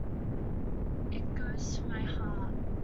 It goes to my heart.